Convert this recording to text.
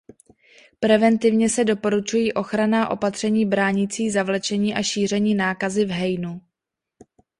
Preventivně se doporučují ochranná opatření bránící zavlečení a šíření nákazy v hejnu.